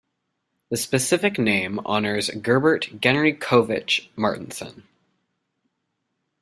The specific name honours Gerbert Genrikhovich Martinson.